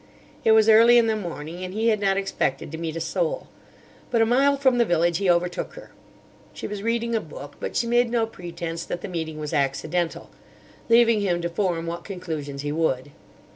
It was early in the morning, and he had not expected to meet a soul. But a mile from the village he overtook her. She was reading a book, but she made no pretence that the meeting was accidental, leaving him to form what conclusions he would.